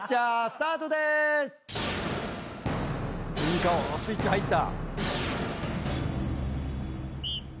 スイッチ入った。